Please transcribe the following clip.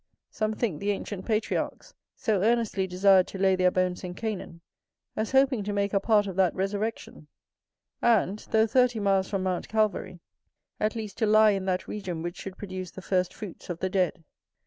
Some think the ancient patriarchs so earnestly desired to lay their bones in Canaan, as hoping to make a part of that resurrection; and, though thirty miles from Mount Calvary, at least to lie in that region which should produce the first fruits of the dead.